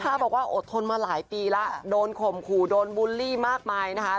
บอกว่าอดทนมาหลายปีแล้วโดนข่มขู่โดนบูลลี่มากมายนะคะ